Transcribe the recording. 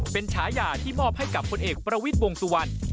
เป็นฉายาที่มอบให้กับคนเอกประวิทย์วงสุวรรณ